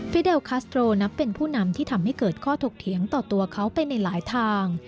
เดลคัสโตรนับเป็นผู้นำที่ทำให้เกิดข้อถกเถียงต่อตัวเขาไปในหลายทาง